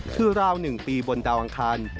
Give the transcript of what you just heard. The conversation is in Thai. คือราวหนึ่งปีบนดาวอังคาร